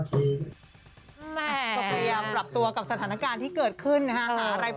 ค่ะ